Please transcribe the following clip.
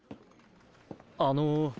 あの。